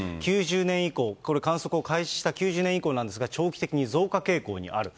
９０年以降、これ、観測を開始した９０年以降なんですが、長期的に増加傾向にある。